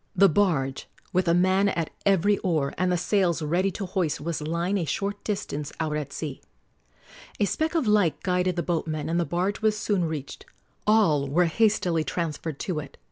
The barge, with a man at every oar and the sails ready to hoist, was lying a short distance out at sea. A speck of light guided the boatmen, and the barge was soon reached. All were hastily transferred to it.